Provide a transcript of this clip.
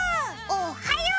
おっはよう！